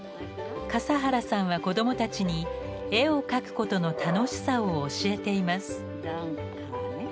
笠原さんは子供たちに絵を描くことの楽しさを教えています。